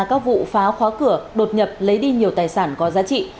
các vụ phá khóa cửa đột nhập lấy đi nhiều tài sản có giá trị